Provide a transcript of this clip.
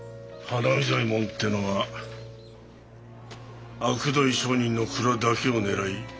花水左衛門ってのはあくどい商人の蔵だけを狙い